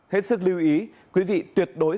hết sức lưu ý quý vị tuyệt đối